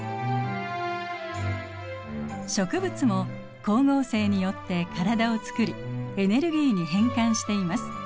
植物も光合成によって体をつくりエネルギーに変換しています。